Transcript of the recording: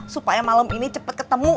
supaya malem ini cepet ketemu